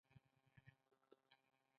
له مسافرو به یې پوښتنې کولې.